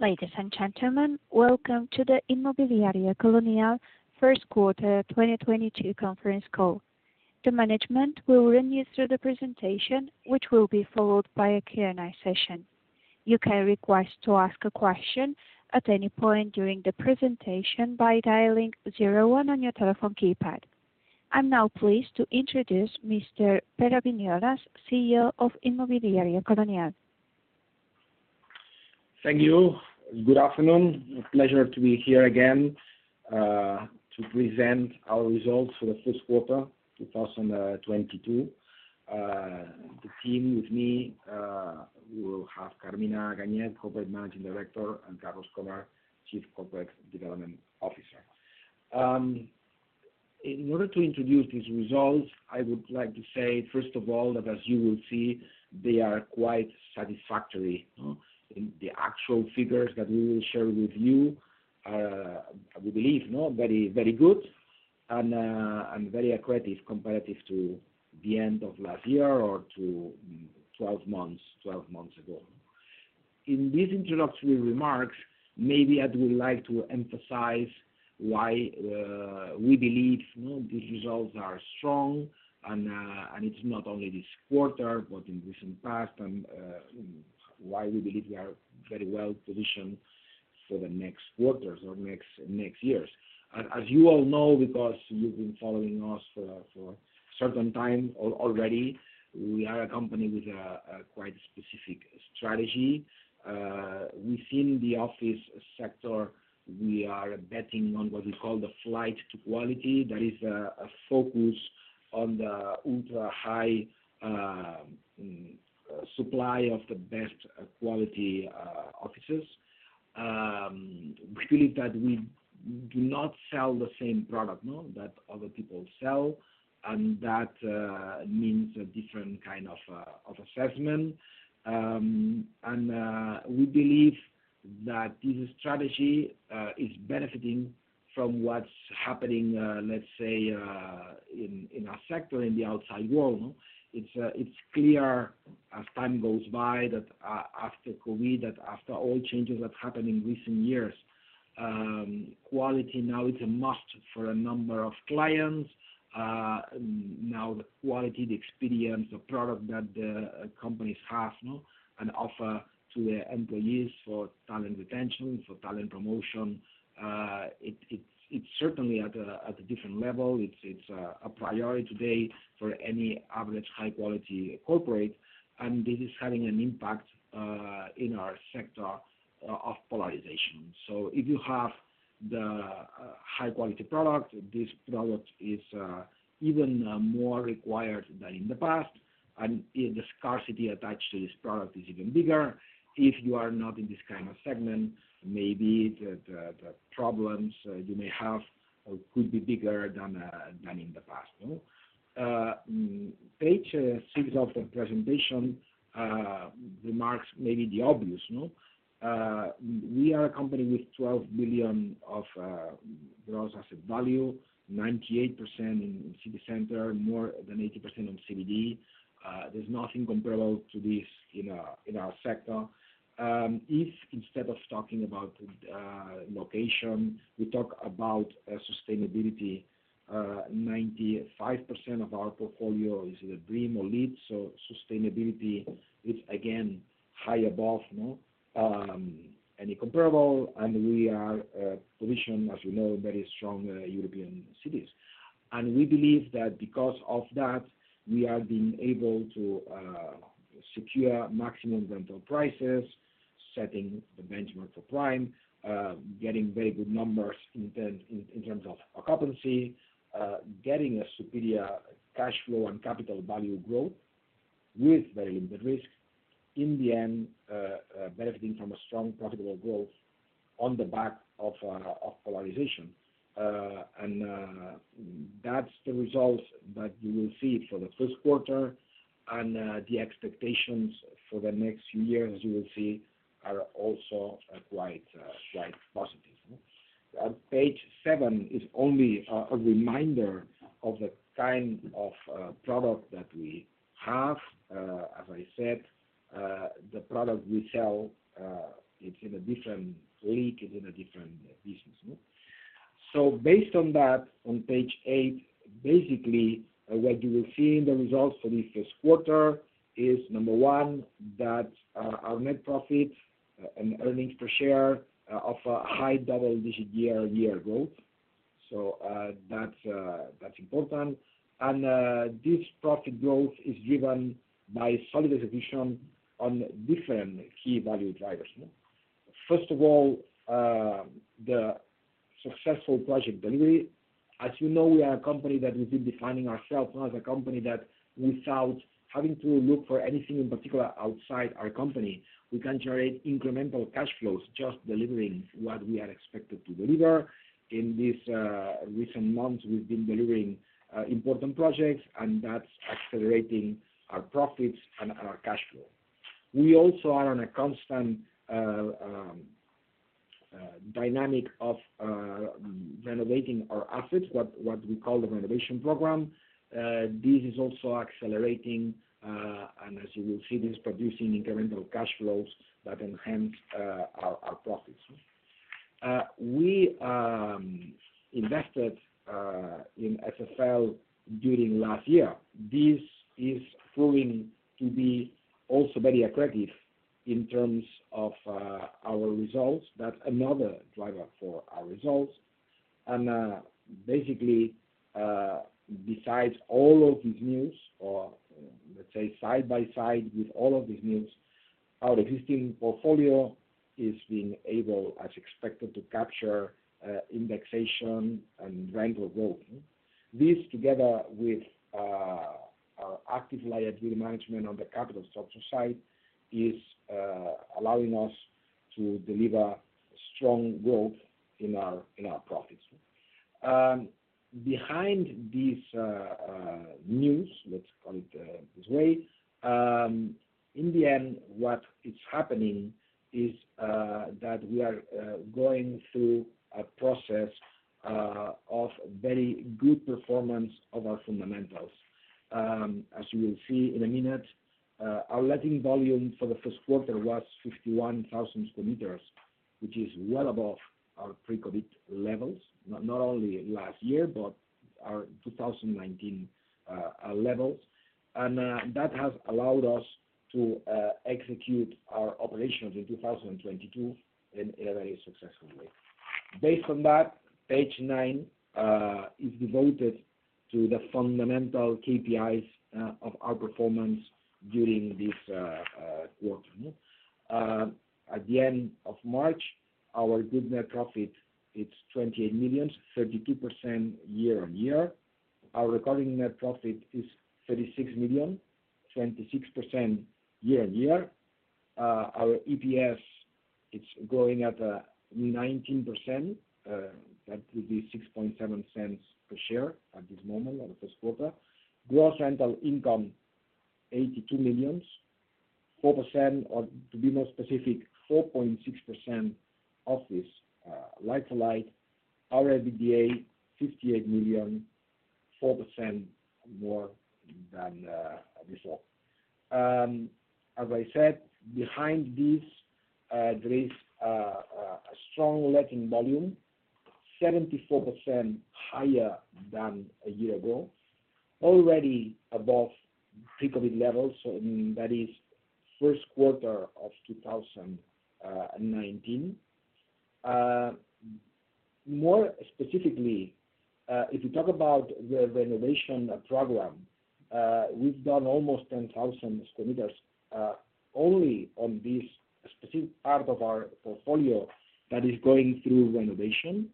Ladies and gentlemen, welcome to the Inmobiliaria Colonial Q1 2022 conference call. The management will run you through the presentation, which will be followed by a Q&A session. You can request to ask a question at any point during the presentation by dialing zero one on your telephone keypad. I'm now pleased to introduce Mr. Pere Viñolas Serra, CEO of Inmobiliaria Colonial. Thank you. Good afternoon. Pleasure to be here again to present our results for the Q1 2022. The team with me, we will have Carmina Ganyet, Corporate Managing Director, and Carlos Krohmer, Chief Corporate Development Officer. In order to introduce these results, I would like to say first of all that as you will see, they are quite satisfactory. The actual figures that we will share with you are, we believe, very, very good and very accretive comparative to the end of last year or to 12 months ago. In these introductory remarks, maybe I would like to emphasize why we believe these results are strong and it's not only this quarter, but in recent past and why we believe we are very well positioned for the next quarters or next years. As you all know, because you've been following us for a certain time already, we are a company with a quite specific strategy. Within the office sector, we are betting on what we call the Flight to Quality. That is, a focus on the ultra-high supply of the best quality offices. We believe that we do not sell the same product, no, that other people sell. That means a different kind of assessment. We believe that this strategy is benefiting from what's happening, let's say, in our sector in the outside world. It's clear as time goes by that after COVID, that after all changes have happened in recent years, quality now is a must for a number of clients. Now the quality, the experience, the product that the companies have, no, and offer to their employees for talent retention, for talent promotion, it's certainly at a different level. It's a priority today for any average high quality corporate. This is having an impact in our sector of polarization. If you have the high quality product, this product is even more required than in the past. The scarcity attached to this product is even bigger. If you are not in this kind of segment, maybe the problems you may have could be bigger than in the past. No? Page six of the presentation, remarks, maybe, the obvious. No? We are a company with 12 billion of gross asset value, 98% in city center, more than 80% on CBD. There's nothing comparable to this in our sector. If instead of talking about location, we talk about sustainability, 95% of our portfolio is either BREEAM or LEED. Sustainability is again high above any comparable. We are positioned, as you know, very strong European cities. We believe that because of that, we have been able to secure maximum rental prices, setting the benchmark for prime, getting very good numbers in terms of occupancy, getting a superior cash flow and capital value growth with very limited risk. In the end, benefiting from a strong profitable growth on the back of polarization. That's the results that you will see for the Q1. The expectations for the next few years, you will see are also quite positive. Page 7 is only a reminder of the kind of product that we have. As I said, the product we sell, it's in a different league, is in a different business. Based on that, on page 8, basically what you will see in the results for this Q1 is, number one, that our net profit and earnings per share of a high double-digit year-over-year growth. That's important. This profit growth is driven by solid execution on different key value drivers. First of all, the successful project delivery. As you know, we are a company that we've been defining ourselves as a company that without having to look for anything in particular outside our company, we can generate incremental cash flows just delivering what we are expected to deliver. In these recent months, we've been delivering important projects, and that's accelerating our profits and our cash flow. We also are on a constant dynamic of renovating our assets, what we call the renovation program. This is also accelerating, and as you will see, this producing incremental cash flows that enhance our profits. We invested in SFL during last year. This is proving to be also very aggressive in terms of our results. That's another driver for our results. Basically, besides all of this news or let's say side by side with all of this news, our existing portfolio is being able, as expected, to capture indexation and rental growth. This together with our active liability management on the capital structure side is allowing us to deliver strong growth in our profits. Behind this news, let's call it this way, in the end, what is happening is that we are going through a process of very good performance of our fundamentals. As you will see in a minute, our letting volume for the Q1 was 51,000 square meters, which is well above our pre-COVID levels, not only last year but our 2019 levels. that has allowed us to execute our operations in 2022 in a very successful way. Based on that, page nine is devoted to the fundamental KPIs of our performance during this quarter. At the end of March, our adjusted net profit is 28 million, 32% year-on-year. Our recurring net profit is 36 million, 26% year-on-year. Our EPS is growing at 19%. That would be 0.067 EUR per share at this moment of the Q1. Gross rental income 82 million, 4%, or to be more specific, 4.6% office like-for-like. Our EBITDA 58 million, 4% more than this all. As I said, behind this, there is a strong letting volume, 74% higher than a year ago, already above pre-COVID levels, so that is Q1 of 2019. More specifically, if you talk about the renovation program, we've done almost 10,000 square meters, only on this specific part of our portfolio that is going through renovation.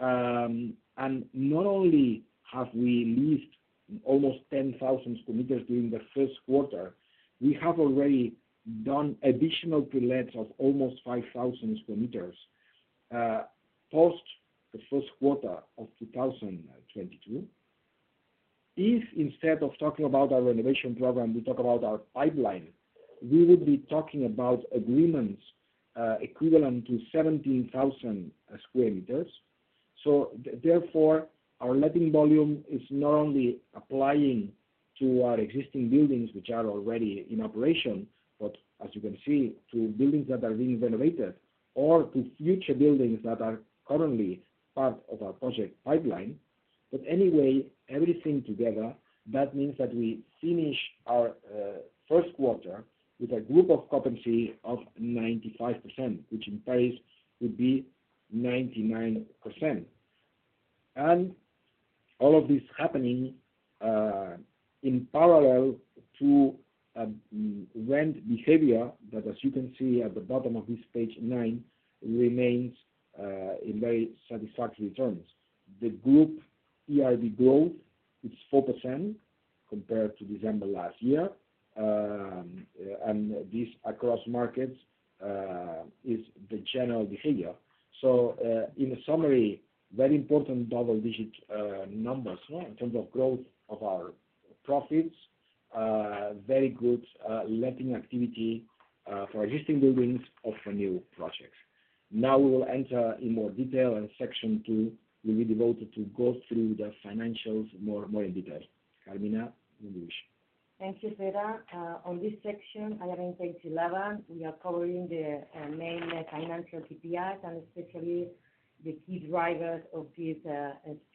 Not only have we leased almost 10,000 square meters during the Q1, we have already done additional prelets of almost 5,000 square meters, post the Q1 of 2022. If instead of talking about our renovation program, we talk about our pipeline, we would be talking about agreements, equivalent to 17,000 square meters. Therefore, our letting volume is not only applying to our existing buildings, which are already in operation, but as you can see, to buildings that are being renovated or to future buildings that are currently part of our project pipeline. Anyway, everything together, that means that we finish our Q1 with a group occupancy of 95%, which in Paris would be 99%. All of this happening in parallel to rent behavior that, as you can see at the bottom of this page 9, remains in very satisfactory terms. The group ERV growth is 4% compared to December last year. This across markets is the general behavior. In summary, very important double-digit numbers in terms of growth of our profits, very good letting activity for existing buildings of our new projects. Now we will enter in more detail and section two will be devoted to go through the financials more in detail. Carmina, you wish. Thank you, Pere. On this section and on page 11, we are covering the main financial KPIs and especially the key drivers of this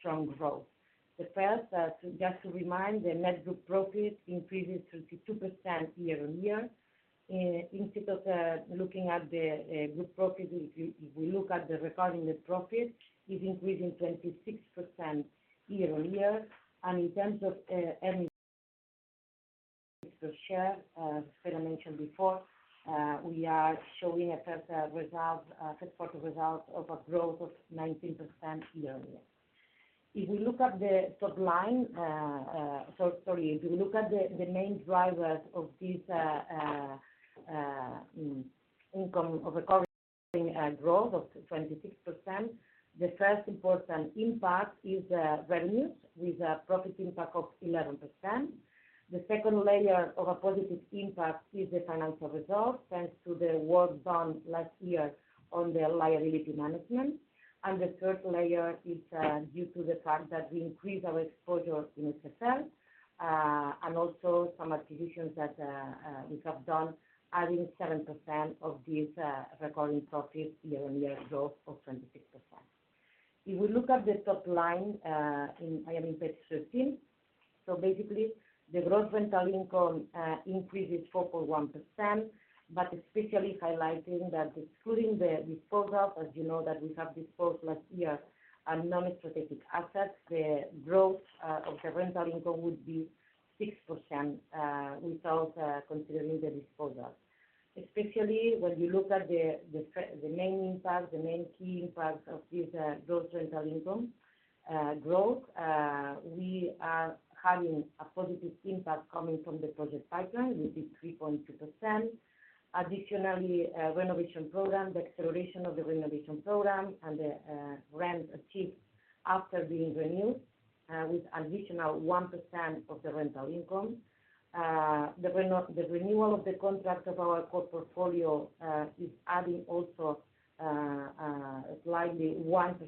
strong growth. First, just to remind, the net group profit increased 32% year-on-year. Instead of looking at the group profit, if we look at the recurring net profit, it is increasing 26% year-on-year. In terms of earnings per share, as Pere mentioned before, we are showing a Q1 result of a growth of 19% year-on-year. If we look at the top line, the main drivers of this income recovery in a growth of 26%. The first important impact is revenues with a profit impact of 11%. The second layer of a positive impact is the financial results, thanks to the work done last year on the liability management. The third layer is due to the fact that we increased our exposure in SFL, and also some acquisitions that we have done, adding 7% of this, recording profit year-on-year growth of 26%. If we look at the top line, on page 13. Basically, the gross rental income increases 4.1%, but especially highlighting that excluding the disposal as you know that we have disposed last year, non-strategic assets, the growth of the rental income would be 6%, without considering the disposal. Especially when you look at the main key impact of this gross rental income growth, we are having a positive impact coming from the project pipeline with the 3.2%. Additionally, a renovation program, the acceleration of the renovation program and the rent achieved after being renewed with additional 1% of the rental income. The renewal of the contract of our core portfolio is adding also slightly 1%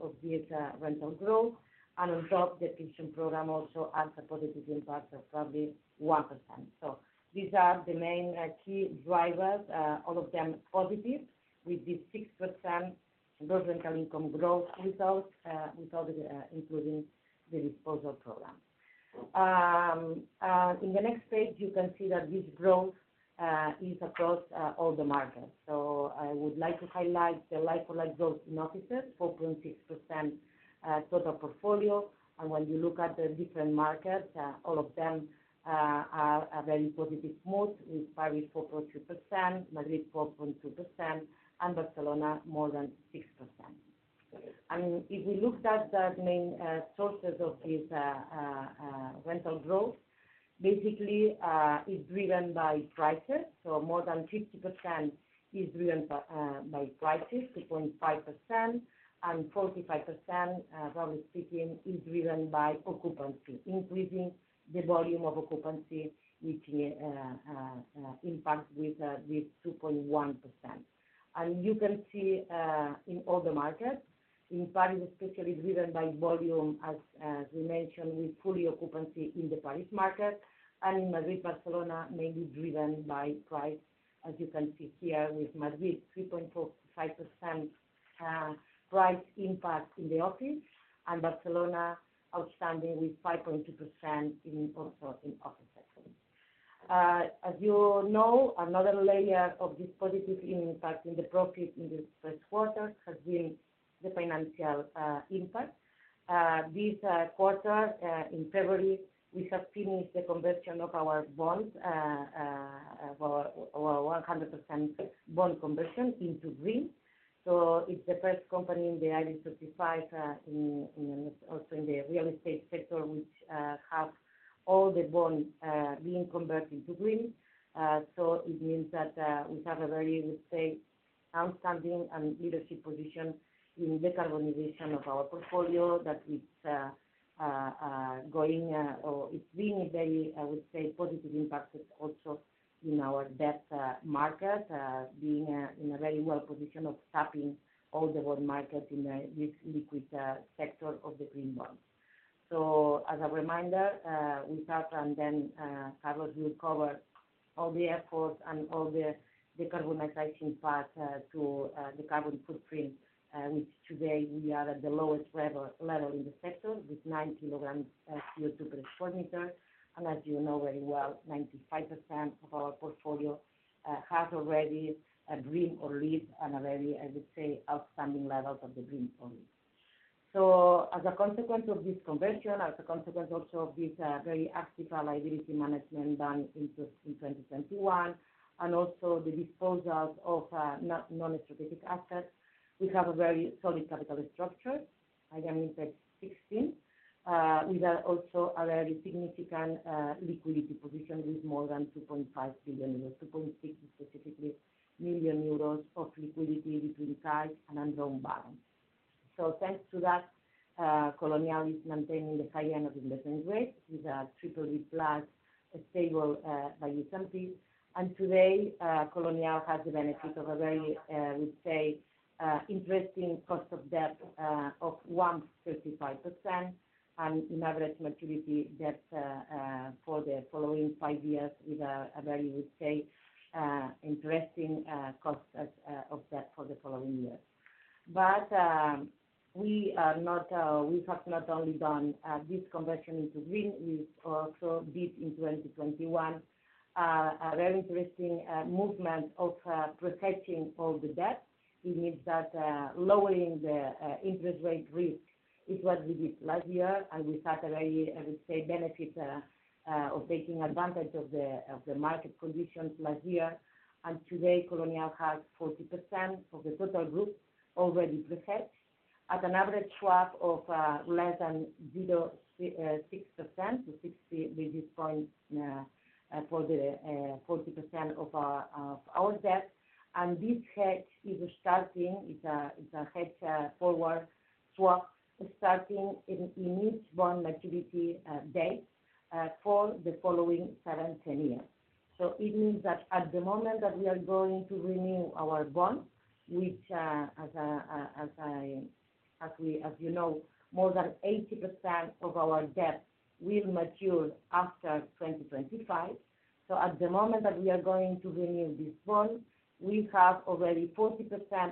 of this rental growth. On top, the indexation program also adds a positive impact of probably 1%. These are the main key drivers, all of them positive with the 6% gross rental income growth without including the disposal program. In the next page you can see that this growth is across all the markets. I would like to highlight the like-for-like growth in offices, 4.6%, total portfolio. When you look at the different markets, all of them are in a very positive mood, with Paris 4.2%, Madrid 4.2%, and Barcelona more than 6%. If we looked at the main sources of this rental growth, basically, is driven by prices. More than 50% is driven by prices, 2.5%, and 45%, probably speaking, is driven by occupancy. Increasing the volume of occupancy, which impacts with 2.1%. You can see in all the markets, in Paris especially driven by volume as we mentioned, with full occupancy in the Paris market and in Madrid, Barcelona, mainly driven by price. As you can see here with Madrid, 3.45% price impact in the office, and Barcelona outstanding with 5.2% in the office sector. As you know, another layer of this positive impact in the profit in the Q1 has been the financial impact. This quarter, in February, we have finished the conversion of our bonds for 100% bond conversion into green. It's the first company in the IBEX 35, also in the real estate sector, which have all the bonds being converted to green. It means that we have a very, I would say, outstanding and leadership position in the decarbonization of our portfolio. That it's going or it's been a very, I would say, positive impact also in our debt market, being in a very good position of tapping all the whole market in a liquid sector of the green bonds. As a reminder, we start and then Carlos will cover all the efforts and all the decarbonization part to the carbon footprint, which today we are at the lowest level in the sector with 9 kg CO2 per square meter. As you know very well, 95% of our portfolio has already a green or LEED and a very, I would say, outstanding levels of the green only. As a consequence of this conversion, as a consequence also of this, very active liability management done in 2021 and also the disposals of, non-strategic assets, we have a very solid capital structure. LTV 16 with a very significant liquidity position with more than 2.5 billion euros, 2.6 billion euros specifically of liquidity between cash and undrawn balance. Thanks to that, Colonial is maintaining the high end of Investment Grade with a BBB+ stable by agencies. Today, Colonial has the benefit of a very, I would say, interesting cost of debt of 1.35% and an average maturity debt for the following 5 years with a very, I would say, interesting cost of debt for the following years. We have not only done this conversion into green. We've also did in 2021 a very interesting movement of protecting all the debt. It means that lowering the interest rate risk is what we did last year. We had a very, I would say, benefit of taking advantage of the market conditions last year. Today, Colonial has 40% of the total group already protected. At an average swap of less than 0.6% to 60 basis points for the 40% of our debt. This hedge is starting. It's a hedge forward swap starting in each bond maturity date for the following seven, ten years. It means that at the moment that we are going to renew our bond, which, as you know, more than 80% of our debt will mature after 2025. At the moment that we are going to renew this bond, we have already 40%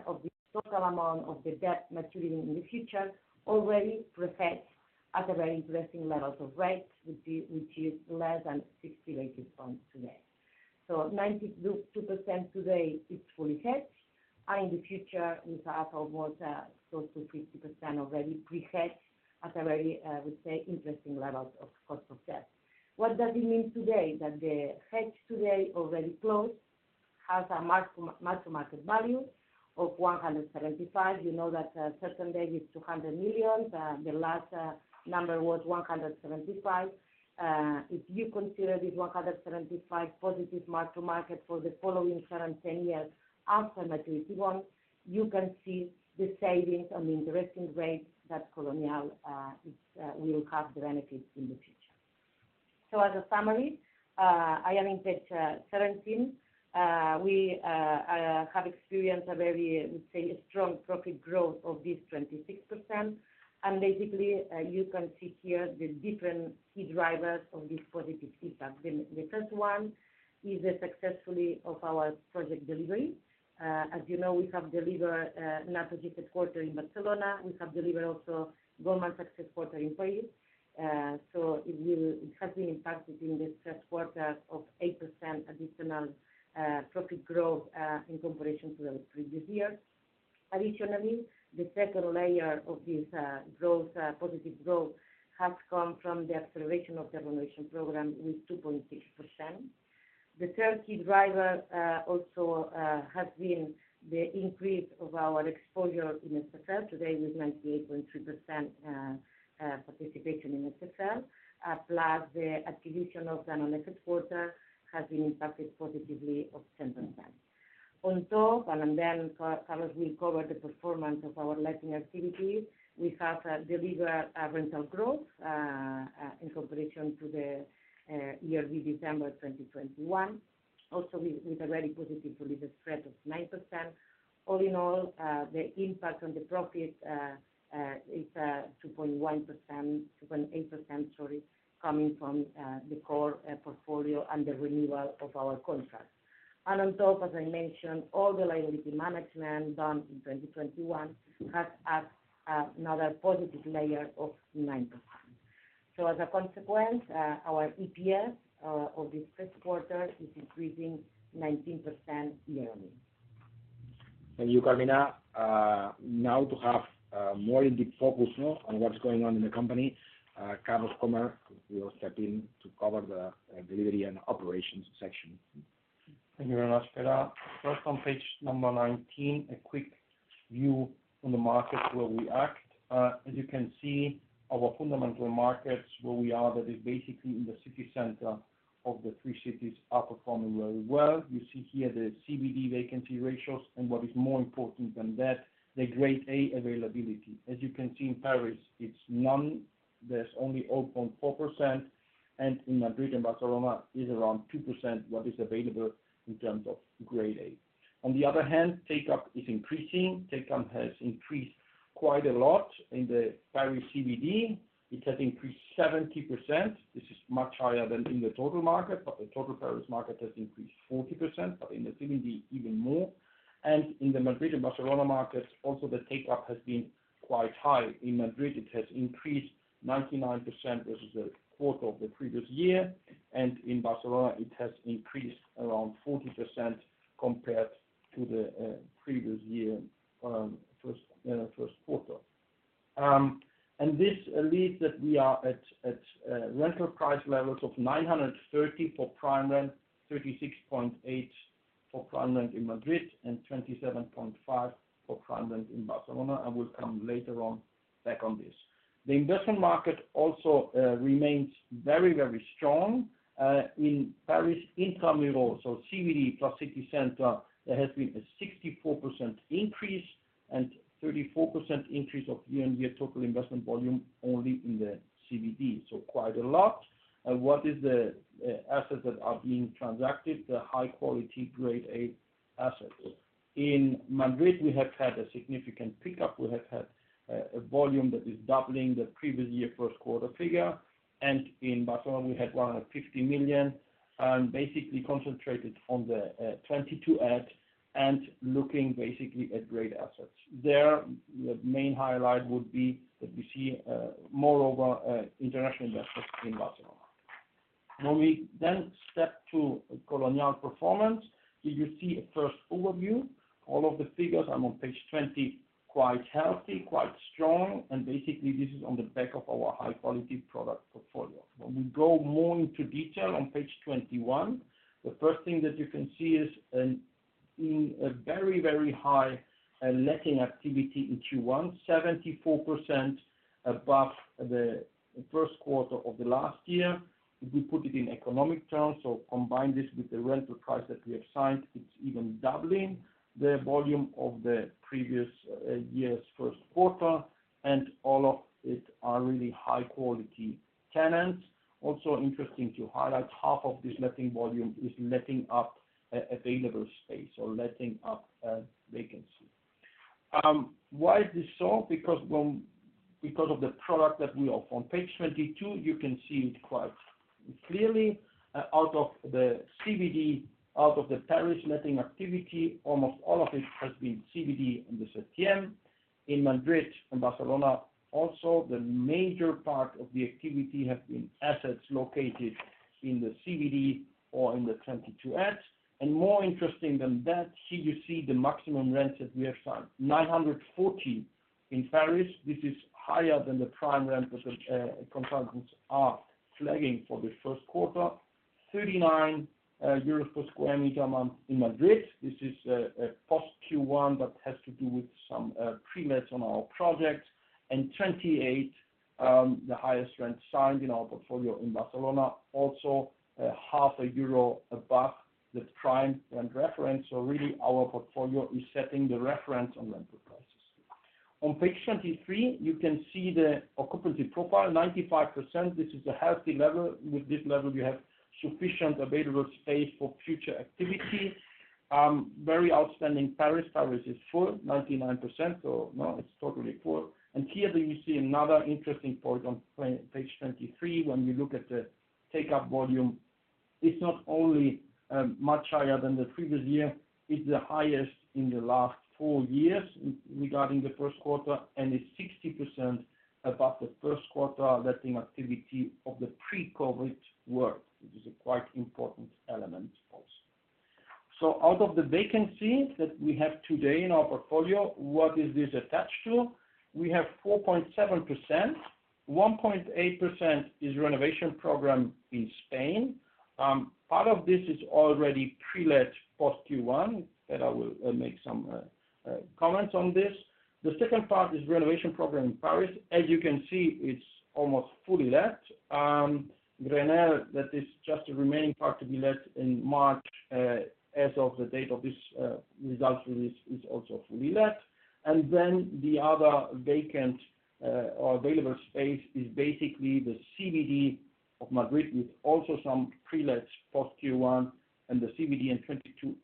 of the total amount of the debt maturing in the future already pre-hedged at a very interesting levels of rates, which is less than 60 basis points today. 92.2% today is fully hedged. In the future, we have almost, close to 50% already pre-hedged at a very, we say, interesting levels of cost of debt. What does it mean today? That the hedge today already closed has a mark to market value of 175. We know that current debt is 200 million. The last number was 175. If you consider this 175 positive Mark to Market for the following 7-10 years after maturity, you can see the savings on the interest rates that Colonial will have the benefits in the future. As a summary and in page 17, we have experienced a very strong profit growth of this 26%. Basically, you can see here the different key drivers of this positive impact. The first one is the success of our project delivery. As you know, we have delivered Naturgy headquarters in Barcelona. We have delivered also Goldman Sachs headquarters in Paris. It will... It has been impacted in this Q1 of 8% additional profit growth in comparison to the previous year. Additionally, the second layer of this growth positive growth has come from the acceleration of the renovation program with 2.6%. The third key driver also has been the increase of our exposure in SFL. Today, with 98.3% participation in SFL plus the acquisition of the Danone headquarters has been impacted positively of 10%. On top, Carlos will cover the performance of our letting activity. We have delivered rental growth in comparison to the year with December 2021. Also with a very positive lease spread of 9%. All in all, the impact on the profit is 2.1%, 2.8%, sorry, coming from the core portfolio and the renewal of our contracts. On top, as I mentioned, all the liability management done in 2021 has added another positive layer of 9%. As a consequence, our EPS of this Q1 is increasing 19% yearly. Thank you, Carmina. Now to have more in-depth focus now on what is going on in the company, Carlos Krohmer will step in to cover the delivery and operations section. Thank you very much, Pere. First, on page number 19, a quick view on the market where we act. As you can see, our fundamental markets where we are, that is basically in the city center of the three cities, are performing very well. You see here the CBD vacancy ratios, and what is more important than that, the grade A availability. As you can see in Paris, it's none. There's only 0.4%, and in Madrid and Barcelona is around 2% what is available in terms of grade A. On the other hand, take-up is increasing. Take-up has increased quite a lot in the Paris CBD. It has increased 70%. This is much higher than in the total market, but the total Paris market has increased 40%, but in the CBD even more. In the Madrid and Barcelona markets also, the take-up has been quite high. In Madrid, it has increased 99% versus the quarter of the previous year, and in Barcelona it has increased around 40% compared to the previous year, Q1. This leads that we are at rental price levels of 930 for prime rent, 36.8 for prime rent in Madrid, and 27.5 for prime rent in Barcelona. I will come later on back on this. The investment market also remains very strong. In Paris intra-muros, so CBD plus city center, there has been a 64% increase and 34% increase of year-on-year total investment volume only in the CBD. Quite a lot. What is the assets that are being transacted? The high-quality Grade A assets. In Madrid, we have had a significant pickup. We have had a volume that is doubling the previous year Q1 figure. In Barcelona, we had 150 million, basically concentrated on the 22@ and looking basically at Grade A assets. There, the main highlight would be that we see more international investors in Barcelona. When we then step to Colonial performance, you see a first overview. All of the figures are on page 20, quite healthy, quite strong. This is on the back of our high-quality product portfolio. When we go more into detail on page 21, the first thing that you can see is a very, very high letting activity in Q1. 74% above the Q1 of the last year. If we put it in economic terms, so combine this with the rental price that we have signed, it's even doubling the volume of the previous year's Q1, and all of it are really high quality tenants. Also interesting to highlight, half of this letting volume is letting up available space or letting up vacancy. Why is this so? Because of the product that we offer. On page 22, you can see it quite clearly. Out of the CBD, out of the Paris letting activity, almost all of it has been CBD in the 7ème. In Madrid and Barcelona also, the major part of the activity has been assets located in the CBD or in the 22@. More interesting than that, here you see the maximum rents that we have signed. 940 in Paris. This is higher than the prime rent consultants are flagging for the Q1. 39 euros per square meter a month in Madrid. This is post Q1, but has to do with some pre-lets on our projects. 28, the highest rent signed in our portfolio in Barcelona, also half a EUR above the prime rent reference. Really our portfolio is setting the reference on rental prices. On page 23, you can see the occupancy profile, 95%. This is a healthy level. With this level, you have sufficient available space for future activity. Very outstanding Paris. Paris is full, 99%. No, it's totally full. Here that you see another interesting point on page 23, when you look at the take-up volume. It's not only much higher than the previous year, it's the highest in the last four years regarding the Q1, and it's 60% above the Q1 letting activity of the pre-COVID world, which is a quite important element also. Out of the vacancy that we have today in our portfolio, what is this attached to? We have 4.7%. 1.8% is renovation program in Spain. Part of this is already pre-let post Q1, that I will make some comments on this. The second part is renovation program in Paris. As you can see, it's almost fully let. Grenelle, that is just the remaining part to be let in March, as of the date of this results release, is also fully let. The other vacant or available space is basically the CBD of Madrid, with also some pre-lets post Q1 and the CBD in 22@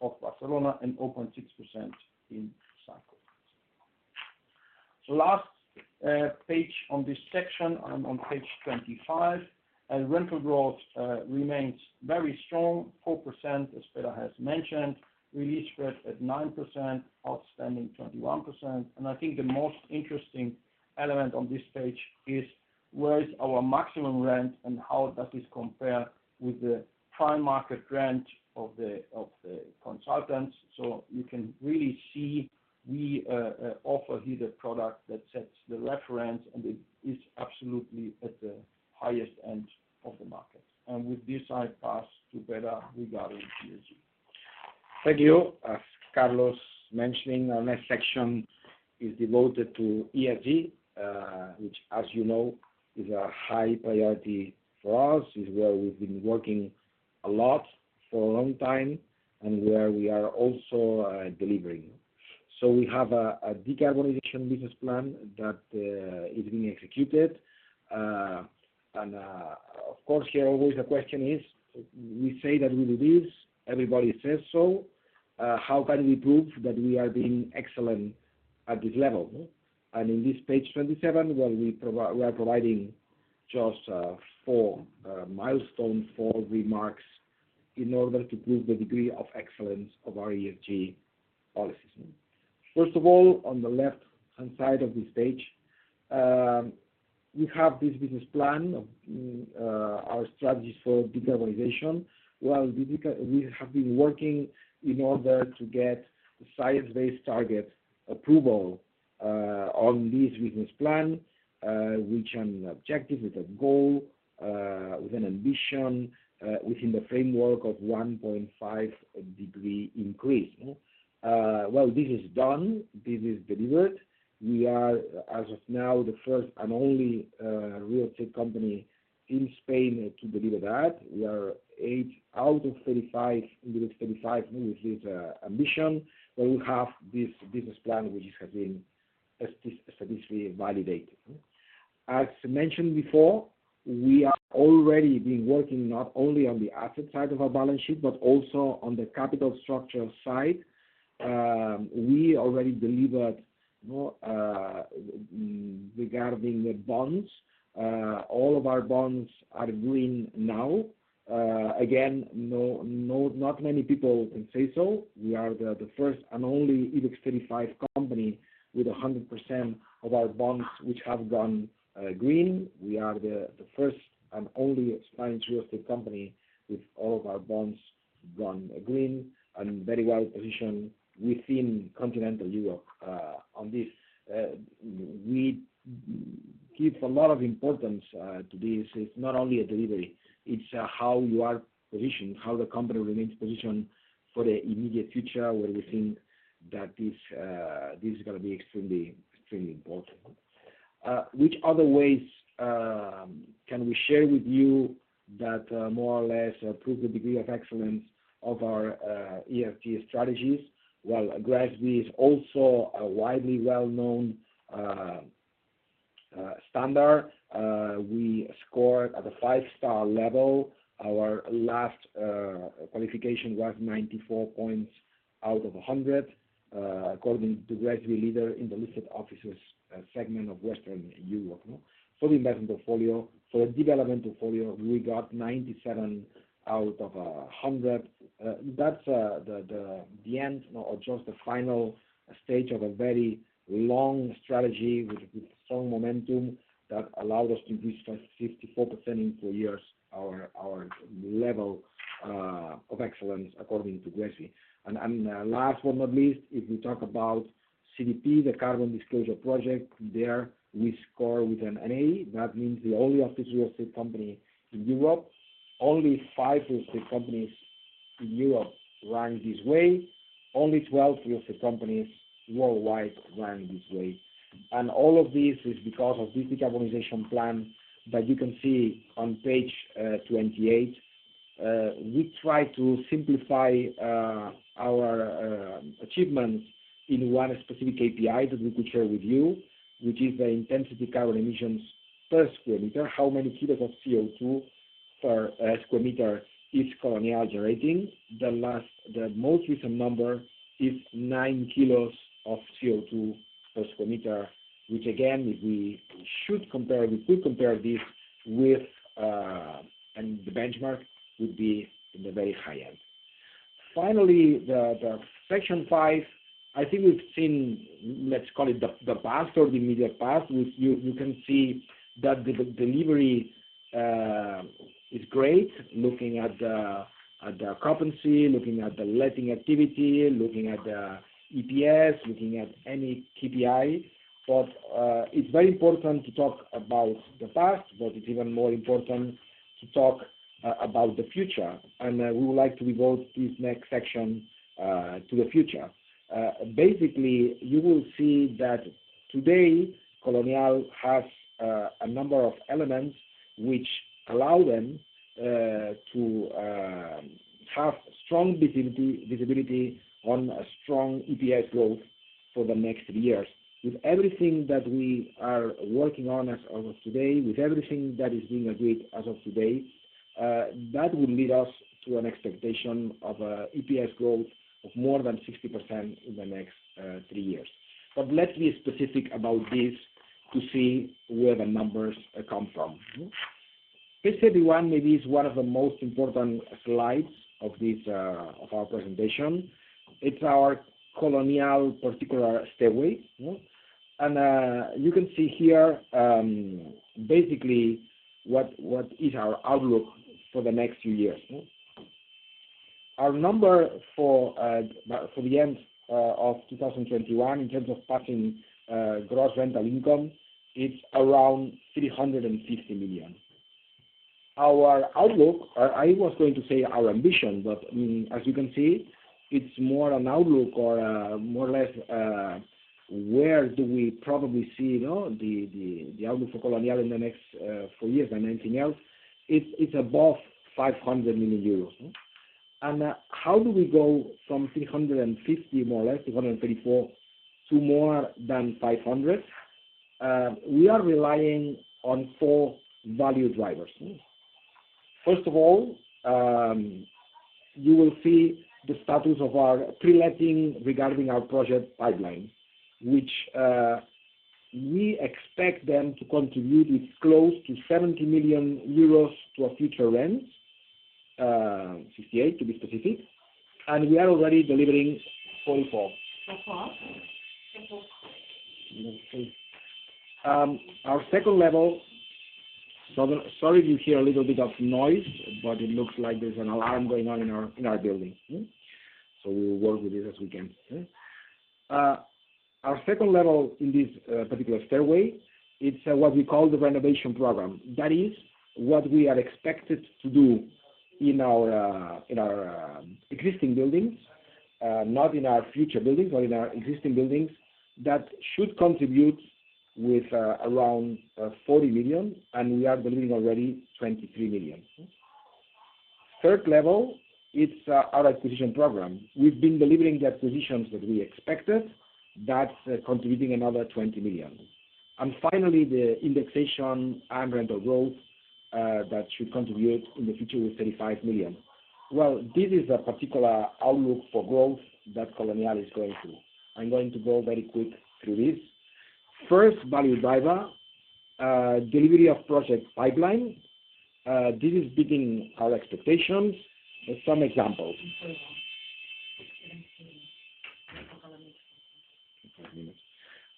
of Barcelona and open 6% in cycle. Last page on this section, on page 25. Rental growth remains very strong, 4%, as Pere has mentioned. Re-let spread at 9%. Outstanding 21%. I think the most interesting element on this page is where our maximum rent is and how does this compare with the prime market rent of the consultants. You can really see we offer here the product that sets the reference, and it is absolutely at the highest end of the market. With this, I pass to Pere regarding ESG. Thank you. As Carlos mentioned, our next section is devoted to ESG, which as you know, is a high priority for us, is where we've been working a lot for a long time, and where we are also delivering. We have a decarbonization business plan that is being executed. Of course, here always the question is, we say that we reduce. Everybody says so. How can we prove that we are being excellent at this level? In this page 27, we are providing just four milestones, four remarks in order to prove the degree of excellence of our ESG policies. First of all, on the left-hand side of this page, we have this business plan of our strategies for decarbonization. We have been working in order to get science-based target approval on this business plan, which has an objective with a goal, with an ambition, within the framework of 1.5 degree increase. This is done. This is delivered. We are, as of now, the first and only real estate company in Spain to deliver that. We are 8 out of 35, IBEX 35 with this ambition, where we have this business plan, which has been statistically validated. As mentioned before, we have already been working not only on the asset side of our balance sheet, but also on the capital structure side. We already delivered regarding the bonds. All of our bonds are green now. Again, no, not many people can say so. We are the first and only IBEX 35 company with 100% of our bonds which have gone green. We are the first and only Spanish real estate company with all of our bonds gone green and very well positioned within continental Europe. On this, we give a lot of importance to this. It's not only a delivery, it's how you are positioned, how the company remains positioned for the immediate future, where we think that this is gonna be extremely important. Which other ways can we share with you that more or less prove the degree of excellence of our ESG strategies? Well, GRESB is also a widely well-known standard. We scored at the five-star level. Our last qualification was 94 points out of 100, according to GRESB leader in the listed offices, segment of Western Europe, no? For the investment portfolio. For development portfolio, we got 97 out of 100. That's the end or just the final stage of a very long strategy with strong momentum that allowed us to increase by 54% in two years our level of excellence according to GRESB. Last but not least, if we talk about CDP, the Carbon Disclosure Project, there we score with an A. That means the only office real estate company in Europe. Only 5 real estate companies in Europe rank this way. Only 12 real estate companies worldwide rank this way. All of this is because of this decarbonization plan that you can see on page 28. We try to simplify our achievements in one specific KPI that we could share with you, which is the carbon intensity emissions per square meter. How many kilos of CO2 per square meter is Colonial generating? The most recent number is nine kilos of CO2 per square meter, which again, if we should compare, we could compare this with, and the benchmark would be in the very high end. Finally, the section five, I think we've seen, let's call it the past or the immediate past. You can see that the delivery is great looking at the occupancy, looking at the letting activity, looking at the EPS, looking at any KPI. It's very important to talk about the past, but it's even more important to talk about the future. We would like to devote this next section to the future. Basically, you will see that today Colonial has a number of elements which allow them to have strong visibility on a strong EPS growth for the next three years. With everything that we are working on as of today, with everything that is being agreed as of today, that will lead us to an expectation of EPS growth of more than 60% in the next three years. Let's be specific about this to see where the numbers come from. Page 31 maybe is one of the most important slides of our presentation. It's our Colonial particular stairway. You can see here, basically what is our outlook for the next few years. Our number for the end of 2021 in terms of Passing Gross Rental Income, it's around 350 million. Our outlook, or I was going to say our ambition, but as you can see, it's more an outlook or more or less where do we probably see, you know, the outlook for Colonial in the next four years and then we'll see, it's above 500 million euros. How do we go from 350 million, more or less 334 million, to more than 500 million? We are relying on four value drivers. First of all, you will see the status of our pre-letting regarding our project pipeline, which we expect them to contribute with close to 70 million euros to our future rents. 68 to be specific. We are already delivering 44. Sorry if you hear a little bit of noise, but it looks like there's an alarm going on in our building. We will work with it as we can. Our second level in this particular strategy, it's what we call the renovation program. That is what we are expected to do in our existing buildings, not in our future buildings, but in our existing buildings. That should contribute with around 40 million, and we are delivering already 23 million. Third level, it's our acquisition program. We've been delivering the acquisitions that we expected. That's contributing another 20 million. Finally, the indexation and rental growth that should contribute in the future with 35 million. Well, this is a particular outlook for growth that Colonial is going through. I'm going to go very quick through this. First value driver, delivery of project pipeline. This is beating our expectations. Some examples.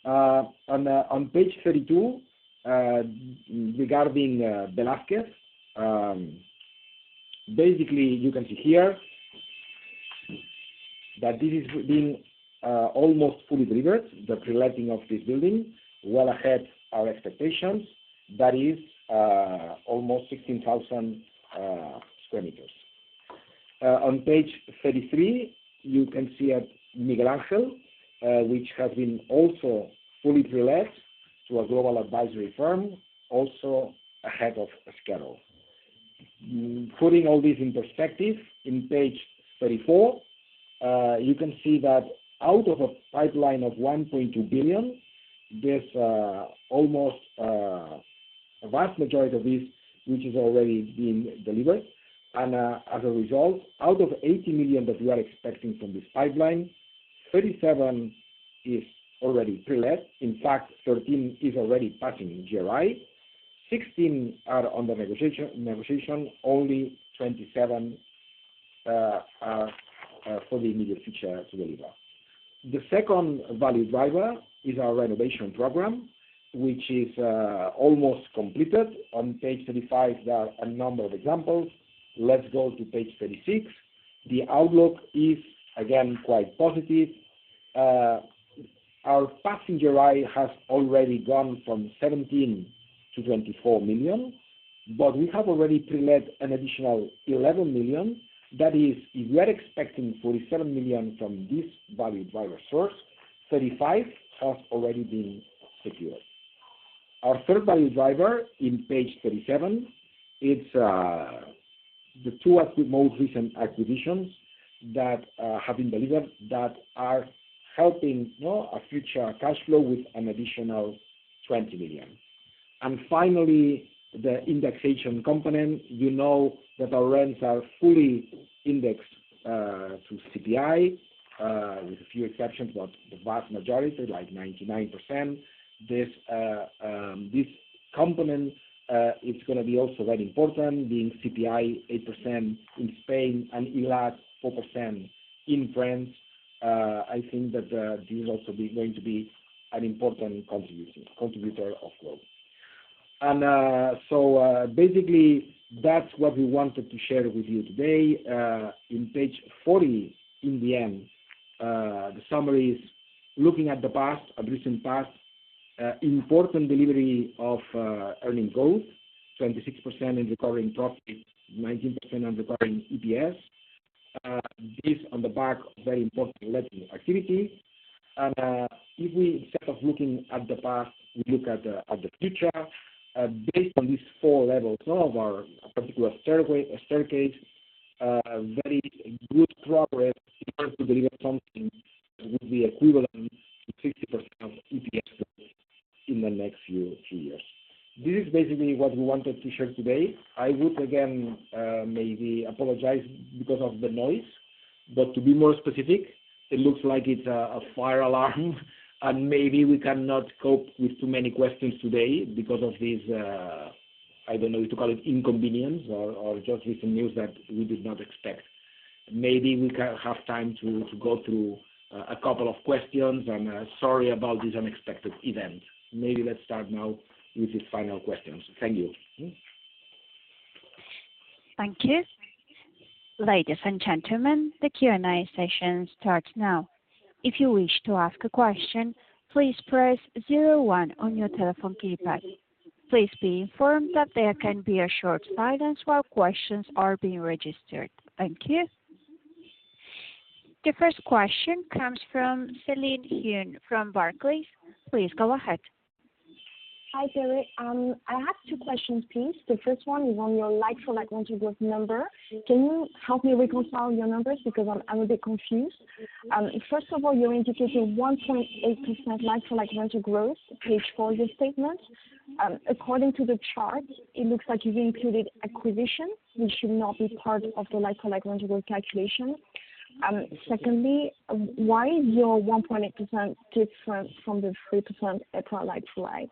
On page 32, regarding Velázquez, basically you can see here that this is being almost fully delivered, the pre-letting of this building, well ahead our expectations. That is almost 16,000 square meters. On page 33, you can see at Miguel Ángel, which has been also fully pre-let to a global advisory firm, also ahead of schedule. Putting all this in perspective, on page 34, you can see that out of a pipeline of 1.2 billion, there's almost a vast majority of this which has already been delivered. As a result, out of 80 million that we are expecting from this pipeline, 37 is already pre-let. In fact, 13 is already passing GRI. 16 are under negotiation. Only 27 are for the immediate future to deliver. The second value driver is our renovation program, which is almost completed. On page 35, there are a number of examples. Let's go to page 36. The outlook is again quite positive. Our passing GRI has already gone from 17 million to 24 million, but we have already pre-let an additional 11 million. That is, if we are expecting 47 million from this value driver source, 35 has already been secured. Our third value driver on page 37, it's the two most recent acquisitions that have been delivered that are helping, you know, our future cash flow with an additional 20 million. Finally, the indexation component. You know that our rents are fully indexed through CPI with a few exceptions, but the vast majority, like 99%. This component it's gonna be also very important, being CPI 8% in Spain and ILAT 4% in France. I think that this is also going to be an important contributor of growth. Basically, that's what we wanted to share with you today. In page 40, in the end the summary is looking at the past, at recent past important delivery of earnings growth, 26% in recurring profit, 19% on recurring EPS. This on the back of very important letting activity. If we, instead of looking at the past, we look at the future, based on these four levels, some of our particular staircase, very good progress in order to deliver something that would be equivalent to 60% of EPS growth in the next few years. This is basically what we wanted to share today. I would again, maybe apologize because of the noise, but to be more specific, it looks like it's a fire alarm, and maybe we cannot cope with too many questions today because of this, I don't know how to call it inconvenience or just recent news that we did not expect. Maybe we can have time to go through a couple of questions, and sorry about this unexpected event. Maybe let's start now with the final questions. Thank you. Thank you. Ladies and gentlemen, the Q&A session starts now. If you wish to ask a question, please press zero one on your telephone keypad. Please be informed that there can be a short silence while questions are being registered. Thank you. The first question comes from Celine Huynh from Barclays. Please go ahead. Hi, Gary. I have two questions, please. The first one is on your like-for-like rental growth number. Can you help me reconcile your numbers because I'm a little bit confused? First of all, you're indicating 1.8% like-for-like rental growth, page four of your statement. According to the chart, it looks like you've included acquisition, which should not be part of the like-for-like rental growth calculation. Secondly, why is your 1.8% different from the 3% EPRA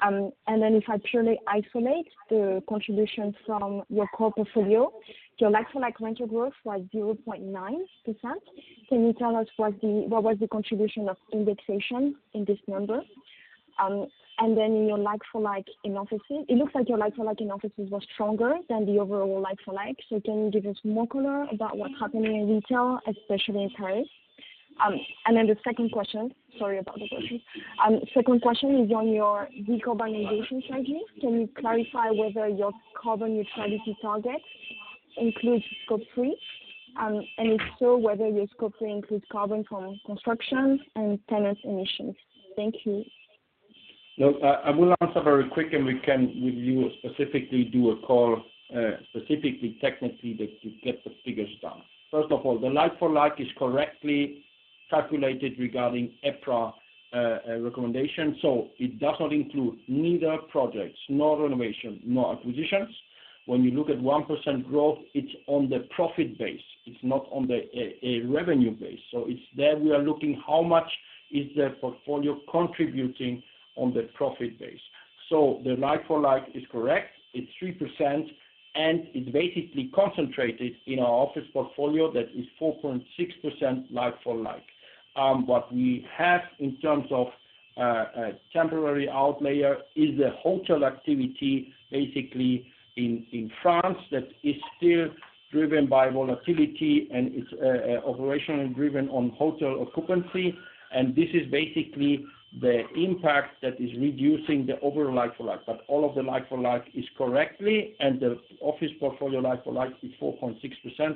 like-for-like? If I purely isolate the contribution from your core portfolio, your like-for-like rental growth is like 0.9%. Can you tell us what the contribution of indexation in this number was? In your like-for-like in offices, it looks like your like-for-like in offices was stronger than the overall like-for-like. Can you give us more color about what's happening in retail, especially in Paris? The second question. Sorry about the questions. Second question is on your decarbonization strategy. Can you clarify whether your carbon neutrality target includes Scope 3? And if so, whether your Scope 3 includes carbon from construction and tenants' emissions? Thank you. Look, I will answer very quick, and we can with you specifically do a call, specifically technically that you get the figures done. First of all, the like-for-like is correctly calculated regarding EPRA recommendation. It does not include neither projects, nor renovation, nor acquisitions. When you look at 1% growth, it's on the profit base. It's not on the revenue base. It's there, we are looking how much is the portfolio contributing on the profit base. The like-for-like is correct. It's 3%, and it's basically concentrated in our office portfolio that is 4.6% like-for-like. What we have in terms of a temporary outlier is the hotel activity, basically in France that is still driven by volatility and it's operational driven on hotel occupancy. This is basically the impact that is reducing the overall like-for-like. All of the like-for-like is correctly, and the office portfolio like-for-like is 4.6%,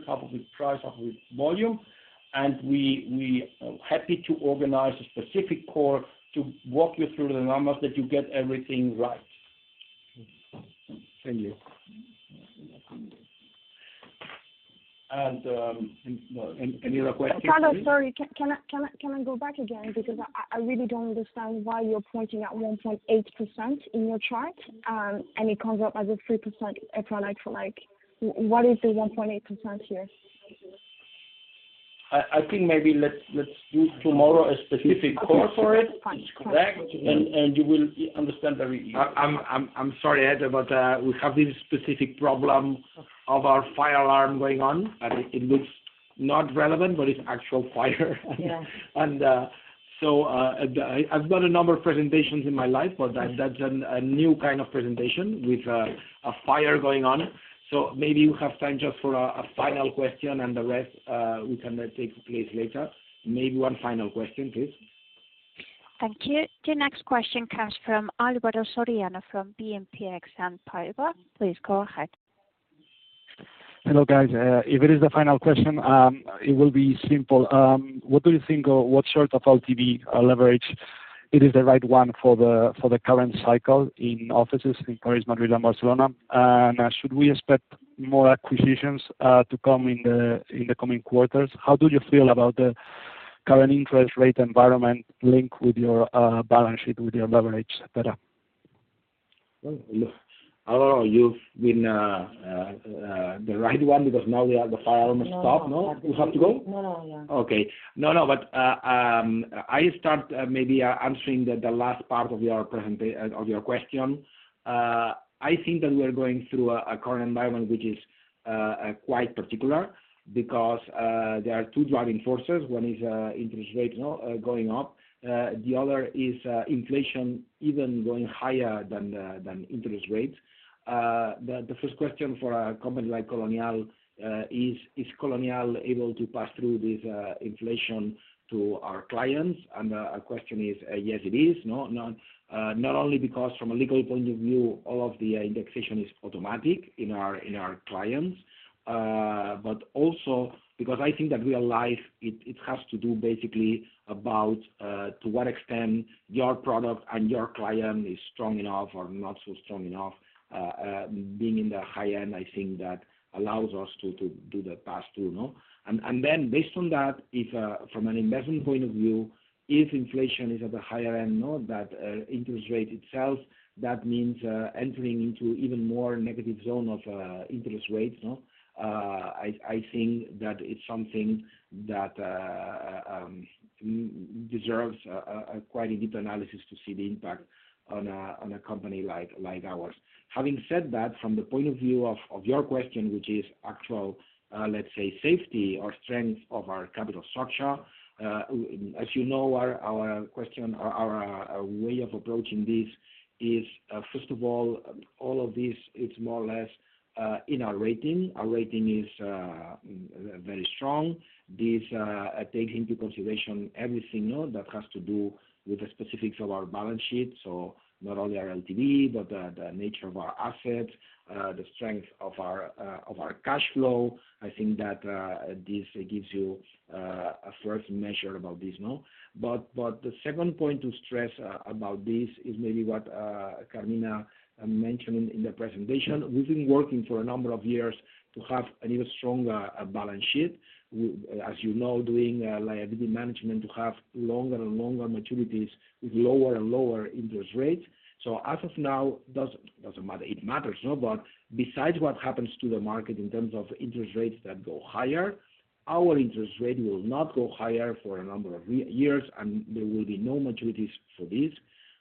half of it price, half of it volume. We happy to organize a specific call to walk you through the numbers that you get everything right. Thank you. Any other questions please? Carlos, sorry. Can I go back again? Because I really don't understand why you're pointing at 1.8% in your chart, and it comes up as a 3% like-for-like. What is the 1.8% here? I think maybe let's do tomorrow a specific call for it. Okay. It's correct. You will understand very easily. I'm sorry to interrupt. We have this specific problem of our fire alarm going on. It looks not relevant, but it's actual fire. Yeah. I've got a number of presentations in my life, but that's a new kind of presentation with a fire going on. Maybe you have time just for a final question and the rest we can let take place later. Maybe one final question, please. Thank you. The next question comes from Alberto Soriano, from BNP Paribas. Please go ahead. Hello, guys. If it is the final question, it will be simple. What do you think, or what sort of LTV leverage it is the right one for the current cycle in offices in Paris, Madrid, and Barcelona? Should we expect more acquisitions to come in the coming quarters? How do you feel about the current interest rate environment linked with your balance sheet, with your leverage, et cetera? Well, look, Alberto, you've been the right one because now we have the fire alarm stopped. No. No? You have to go? No, no. Yeah. I start maybe answering the last part of your question. I think that we are going through a current environment which is quite particular because there are two driving forces. One is interest rates, you know, going up. The other is inflation even going higher than interest rates. The first question for a company like Colonial is Colonial able to pass through this inflation to our clients? Our question is, yes, it is. Not only because from a legal point of view, all of the indexation is automatic in our clients, but also because I think that real life it has to do basically about to what extent your product and your client is strong enough or not so strong enough. Being in the high end, I think that allows us to do the pass through, no? Then based on that, from an investment point of view, if inflation is at the higher end, no, that interest rate itself, that means entering into even more negative zone of interest rates, no? I think that it's something that deserves quite a deep analysis to see the impact on a company like ours. Having said that, from the point of view of your question, which is actually, let's say, safety or strength of our capital structure, as you know, our way of approaching this is, first of all of this is more or less in our rating. Our rating is very strong. This takes into consideration everything, no, that has to do with the specifics of our balance sheet. So not only our LTV, but the nature of our assets, the strength of our cash flow. I think that this gives you a first measure about this, no? But the second point to stress about this is maybe what Carmina mentioned in the presentation. We've been working for a number of years to have an even stronger balance sheet. As you know, doing liability management to have longer and longer maturities with lower and lower interest rates. As of now, it doesn't matter. It matters, but besides what happens to the market in terms of interest rates that go higher, our interest rate will not go higher for a number of years, and there will be no maturities for this.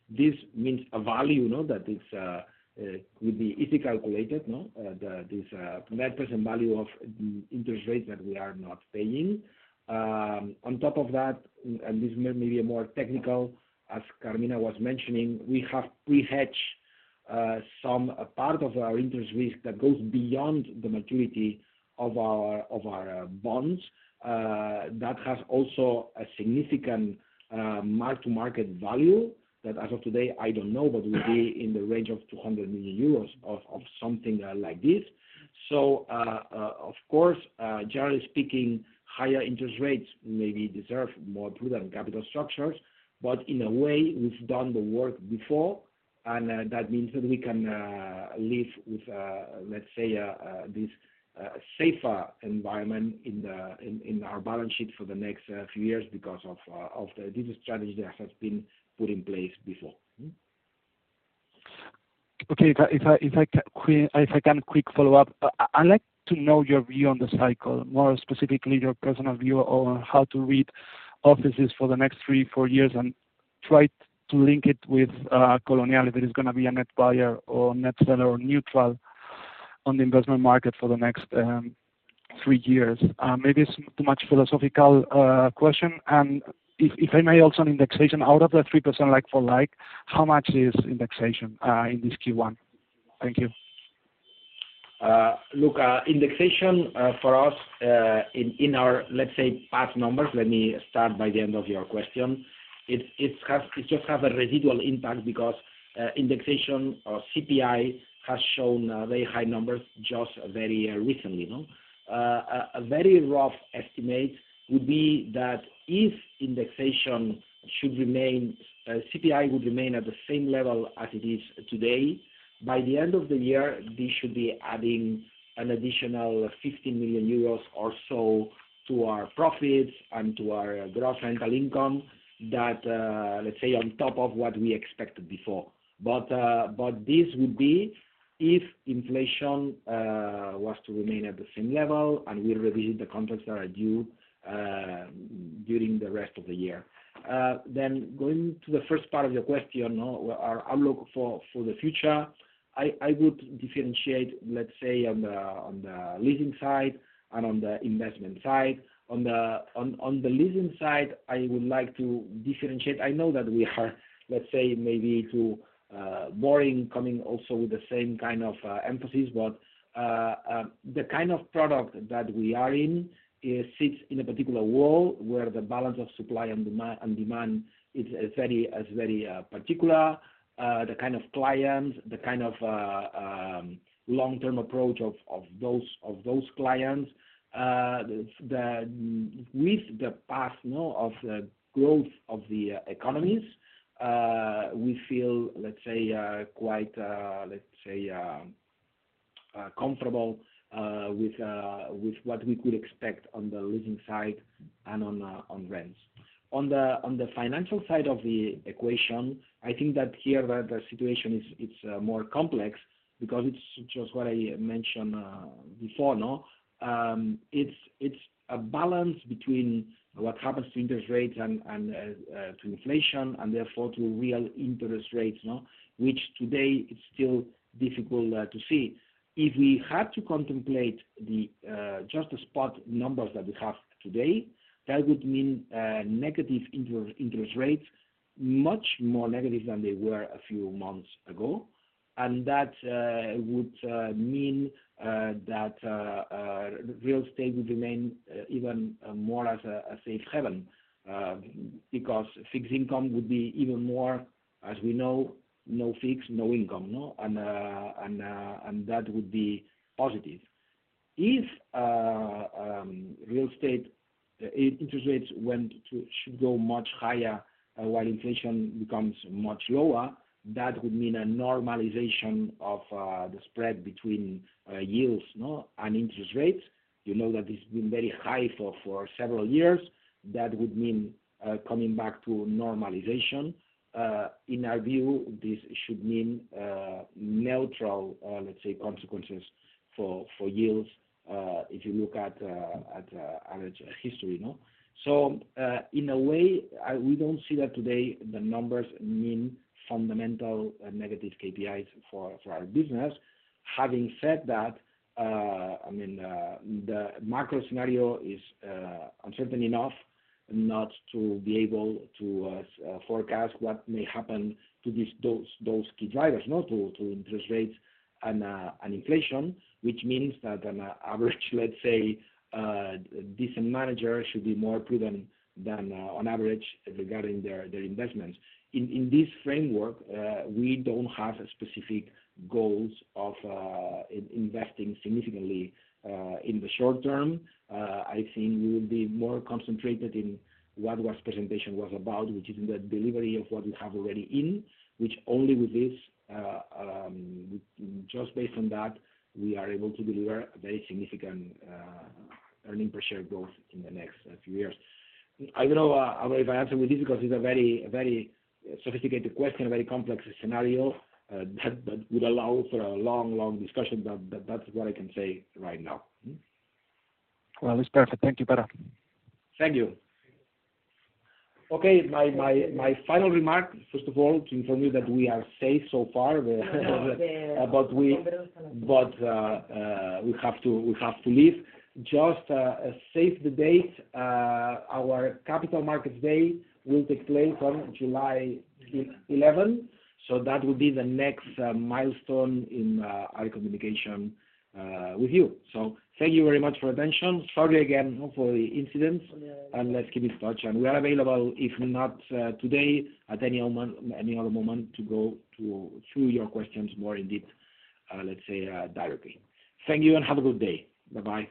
This means a value that will be easily calculated, the net present value of interest rates that we are not paying. On top of that, this may be more technical, as Carmina was mentioning, we have pre-hedged some part of our interest risk that goes beyond the maturity of our bonds. That has also a significant mark-to-market value that as of today, I don't know, but will be in the range of 200 million euros or something like this. Of course, generally speaking, higher interest rates maybe deserve more prudent capital structures. In a way, we've done the work before, and that means that we can live with, let's say, this safer environment in our balance sheet for the next few years because of the business strategy that has been put in place before. Okay. If I can quick follow-up. I'd like to know your view on the cycle, more specifically your personal view on how to read offices for the next three, four years and try to link it with Colonial if it is gonna be a net buyer or net seller or neutral on the investment market for the next three years. Maybe it's too much philosophical question. If I may also on indexation, out of the 3% like for like, how much is indexation in this Q1? Thank you. Look, indexation for us in our, let's say, past numbers. Let me start from the end of your question. It just has a residual impact because indexation or CPI has shown very high numbers just very recently, no? A very rough estimate would be that if indexation should remain, CPI would remain at the same level as it is today. By the end of the year, this should be adding an additional 50 million euros or so to our profits and to our gross rental income that, let's say, on top of what we expected before. This would be if inflation was to remain at the same level and we revisit the contracts that are due during the rest of the year. Going to the first part of your question, no, our outlook for the future, I would differentiate, let's say on the leasing side and on the investment side. On the leasing side, I would like to differentiate. I know that we are, let's say maybe too boring coming also with the same kind of emphasis, but the kind of product that we are in, it sits in a particular world where the balance of supply and demand, and demand is very particular. The kind of clients, the kind of long-term approach of those clients. With the pace of the growth of the economies, we feel, let's say, quite, let's say, comfortable with what we could expect on the leasing side and on rents. On the financial side of the equation, I think that here the situation is more complex because it's just what I mentioned before, no? It's a balance between what happens to interest rates and to inflation, and therefore to real interest rates, no? Which today is still difficult to see. If we had to contemplate just the spot numbers that we have today, that would mean negative real interest rates, much more negative than they were a few months ago. That would mean that real estate would remain even more as a safe haven because fixed income would be even more as we know, no fixed, no income, no? That would be positive. If real estate interest rates should go much higher while inflation becomes much lower, that would mean a normalization of the spread between yields and interest rates. You know that it's been very high for several years. That would mean coming back to normalization. In our view, this should mean neutral, let's say, consequences for yields if you look at history, you know? In a way, we don't see that today the numbers mean fundamental negative KPIs for our business. Having said that, I mean, the macro scenario is uncertain enough not to be able to forecast what may happen to those key drivers, no? To interest rates and inflation, which means that an average, let's say, decent manager should be more prudent than on average regarding their investments. In this framework, we don't have specific goals of investing significantly in the short term. I think we will be more concentrated in what the presentation was about, which is the delivery of what we have already in, which only with this, just based on that, we are able to deliver a very significant earnings per share growth in the next few years. I don't know if I answered with this because it's a very, very sophisticated question, a very complex scenario that would allow for a long, long discussion. That's what I can say right now. Well, it's perfect. Thank you, Pere. Thank you. Okay. My final remark, first of all, to inform you that we are safe so far. We have to leave. Just a save the date, our capital markets day will take place on July 11. That will be the next milestone in our communication with you. Thank you very much for attention. Sorry again for the incident, and let's keep in touch. We are available, if not today, at any other moment to go through your questions more in depth, let's say, directly. Thank you and have a good day. Bye-bye.